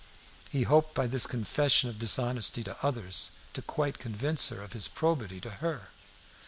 He hoped by this confession of dishonesty to others to quite convince her of his probity to her.